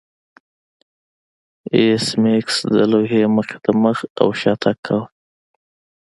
ایس میکس د لوحې مخې ته مخ او شا تګ کاوه